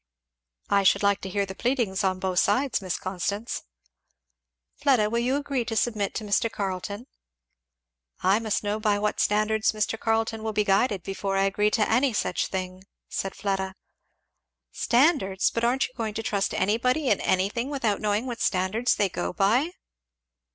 "I should like to hear the pleadings on both sides, Miss Constance." "Well, Fleda, will you agree to submit it to Mr. Carleton?" "I must know by what standards Mr. Carleton will be guided before I agree to any such thing," said Fleda. "Standards! but aren't you going to trust anybody in anything without knowing what standards they go by?"